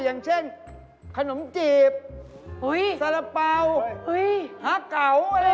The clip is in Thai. อย่างเช่นขนมจีบสารเปล่าฮะเก๋าอะไรอย่างนี้